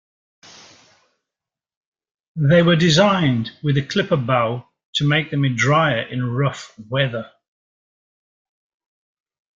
They were designed with a clipper bow to make them dryer in rough weather.